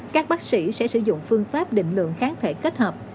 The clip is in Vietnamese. các bác sĩ sẽ sử dụng phương pháp định lượng kháng thể kết hợp